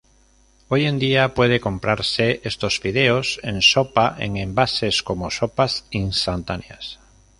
Hoy en día puede comprarse estos fideos en sopa en envases como "sopas instantáneas".